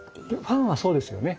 ファンはそうですよね。